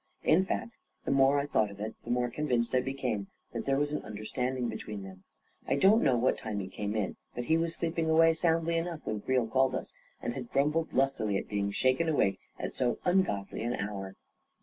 In fact, the more I thought of it, the more convinced I became that there was an understanding between them. I don't know at what time he came in, but he was sleeping away soundly enough when Creel called us, and had grumbled lustily at being shaken awake as so ungodly an hour!